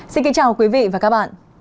xin kính chào quý vị và các bạn